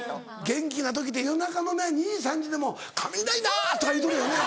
元気な時って夜中の２時３時でも「仮面ライダー！」とか言うとるよな。